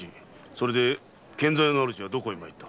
それで献残屋の主はどこへ参った。